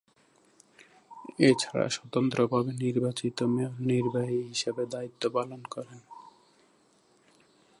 এছাড়া স্বতন্ত্রভাবে নির্বাচিত মেয়র নির্বাহী হিসাবে দায়িত্ব পালন করেন।